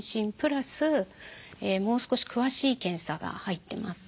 もう少し詳しい検査が入ってます。